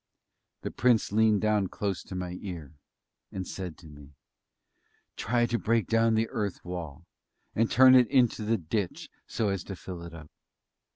The Prince leaned down close to my ear, and said to me: "Try to break down the earth wall, and turn it into the ditch so as to fill it up."